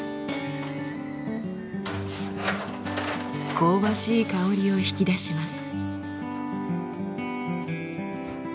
香ばしい香りを引き出します。